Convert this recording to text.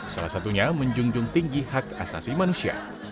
salah satunya menjunjung tinggi hak asasi manusia